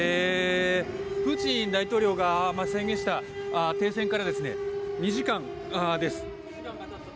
プーチン大統領が宣言した停戦から２時間です。